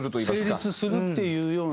成立するっていうような。